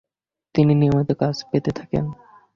তিনি নিয়মিত কাজ পেতে থাকেন।